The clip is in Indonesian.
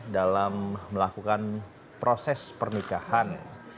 dalam melakukan proses pernikahan